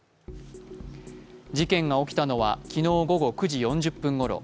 事件が起きたのは昨日午後９時４０分ごろ。